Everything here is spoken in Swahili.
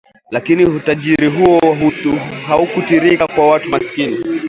Lakini utajiri huo haukutiririka kwa watu masikini